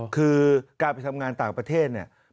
คือการไปทำงานต่างประเทศเนี่ย